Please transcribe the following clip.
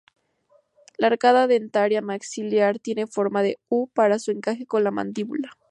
La arcada dentaria maxilar tiene forma de "U" para su encaje con la mandíbula.